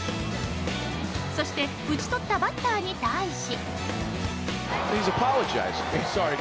そして打ち取ったバッターに対し。